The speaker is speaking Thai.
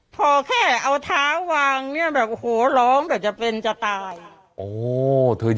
พอแค่เอาเท้าวางเนี่ยแบบโอ้โหร้องแบบจะเป็นจะตาย